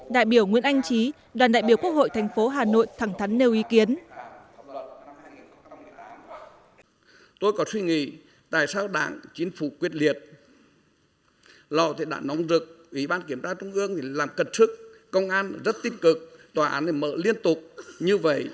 đại biểu nguyễn anh trí đoàn đại biểu quốc hội thành phố hà nội thẳng thắn nêu ý kiến